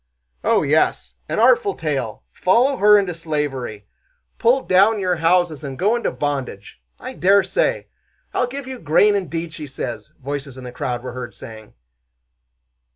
"Oh yes, an artful tale! Follow her into slavery! Pull down your houses and go into bondage! I dare say! 'I'll give you grain, indeed!' she says," voices in the crowd were heard saying.